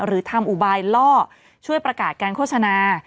หรือทำอุบายล่อช่วยประกาศการโฆษณา